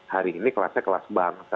hari ini kelasnya kelas bangsa